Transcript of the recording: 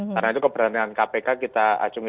karena itu keberanian kpk kita ajungi